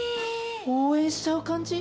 応援しちゃう感じ？